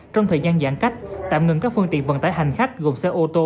trong thời gian giãn cách tạm ngừng các phương tiện vận tải hành khách gồm xe ô tô